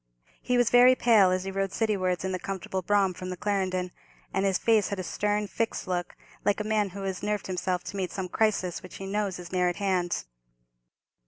He was very pale as he rode citywards, in the comfortable brougham, from the Clarendon; and his face had a stern, fixed look, like a man who has nerved himself to meet some crisis, which he knows is near at hand.